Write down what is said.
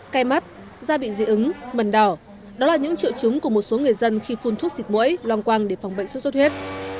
cái mắt da bị dị ứng mần đỏ đó là những triệu chứng của một số người dân khi phun thuốc xịt mũi loang quang để phòng bệnh sốt xuất huyết